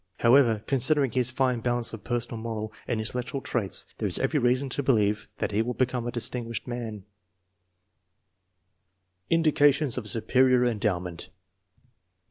860 INTELLIGENCE OF SCHOOL CHILDREN ever, considering his fine balance of personal, moral, and intellectual traits, there is every reason to be lieve that he will become a distinguished man. Indications of superior endowment.